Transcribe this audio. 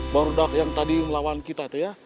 baru sudah yang tadi melawan kita itu ya